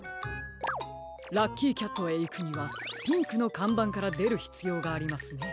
ラッキーキャットへいくにはピンクのかんばんからでるひつようがありますね。